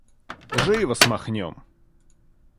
Живо смахнем!